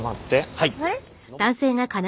はい。